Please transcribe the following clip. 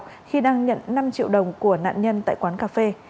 khi đang nhận năm triệu đồng của nạn nhân tại quán cà phê